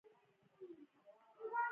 مقناطیس شمالي او جنوبي قطب لري.